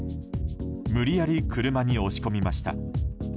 無理やり車に押し込みました。